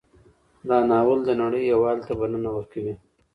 دا ناول د نړۍ یووالي ته بلنه ورکوي.